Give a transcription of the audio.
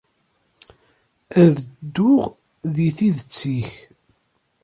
Ad dduɣ di tidet-ik.